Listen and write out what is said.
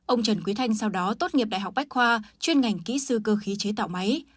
ông trần quý thanh sau đó tốt nghiệp đại học bách khoa chuyên ngành kỹ sư cơ khí chế tạo máy